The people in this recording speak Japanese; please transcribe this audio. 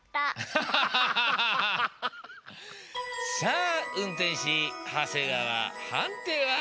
さあ運転士長谷川判定は？